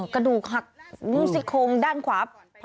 อ๋ออ๋อกระดูกหักรู้สึกคงด้านขวา